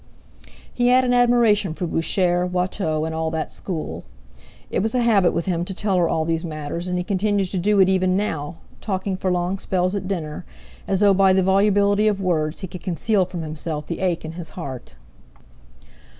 He had an admiration for Boucher, Watteau, and all that school. It was a habit with him to tell her all these matters, and he continued to do it even now, talking for long spells at dinner, as though by the volubility of words he could conceal from himself the ache in his heart.